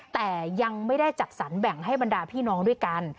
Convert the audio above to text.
แต่ยังไม่ได้จัดสรรแบ่งให้บรรดาพี่น้องด้วยกัน